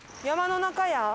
「山の中屋」？